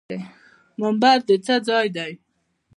منبر د څه ځای دی؟